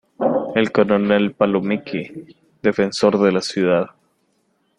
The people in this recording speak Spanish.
El coronel Palomeque, defensor de la ciudad.